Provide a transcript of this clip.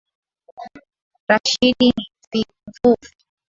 Rashidi ni mvuvi